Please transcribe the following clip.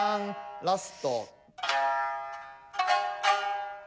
ラスト。